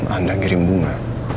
anda kirim bunga